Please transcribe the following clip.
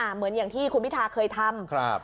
เหมือนอย่างที่คุณพิทาเคยทำ